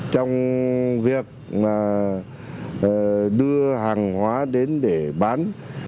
trong việc đưa hàng hóa đến để bán